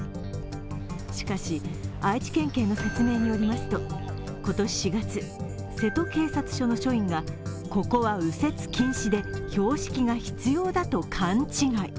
しかし、愛知県警の説明によりますと、今年４月、瀬戸警察署の署員がここは右折禁止で標識が必要だと勘違い。